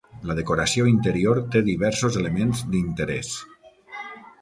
La decoració interior té diversos elements d'interès.